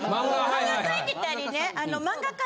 漫画描いてたりね。